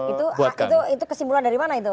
itu kesimpulan dari mana itu